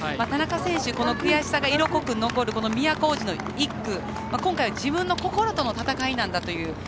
田中選手、悔しさが色濃く残る都大路の１区、今回自分の心との闘いなんだと。